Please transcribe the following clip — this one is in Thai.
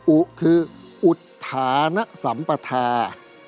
อุคืออุทหาณสัมปทา